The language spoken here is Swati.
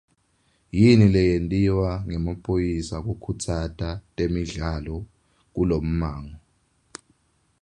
Yini leyentiwa ngemaphoyisa kukhutsata temidlalo kulommango?